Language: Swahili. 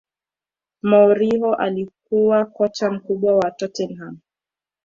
mourinho alikuwa kocha mkuu wa tottenham